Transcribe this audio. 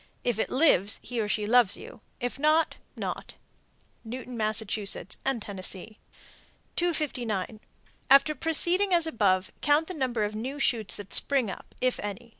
If it lives, he or she loves you; if not, not. Newton, Mass., and Tennessee. 259. After proceeding as above, count the number of new shoots that spring up (if any).